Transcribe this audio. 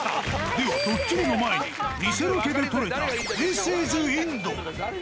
では、ドッキリの前に、偽ロケで撮れたディス・イズ・インド。